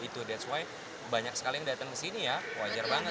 that's why banyak sekali yang datang ke sini ya wajar banget